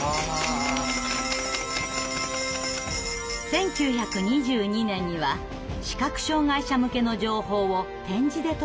１９２２年には視覚障害者向けの情報を点字で届ける新聞が創刊。